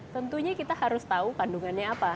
tentunya kita harus tahu kandungannya apa